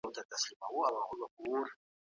د کوچني دپاره مي یو ښکلی نانځکی جوړ کړی دی.